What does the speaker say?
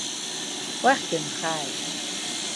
Уахь дынхааит.